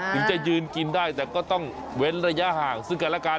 ถึงจะยืนกินได้แต่ก็ต้องเว้นระยะห่างซึ่งกันแล้วกัน